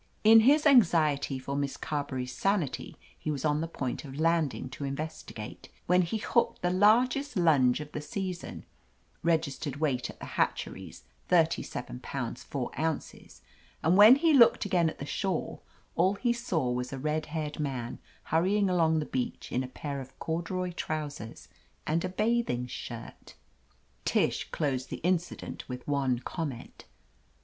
In his anxiety for Miss Carberry's sanity he was on the point of landing to investigate, when he hooked the largest 'lunge of the season (registered weight at the hatcheries, thirty seven pounds four ounces), and when he looked again at the shore all he saw was a red haired man hurrying along the beach in a pair of corduroy trousers and a bathing shirt ! Tish closed the incident with one comment.